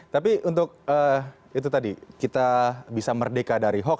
tapi untuk itu tadi kita bisa merdeka dari hoax